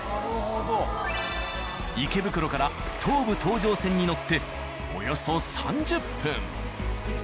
池袋から東武東上線に乗っておよそ３０分。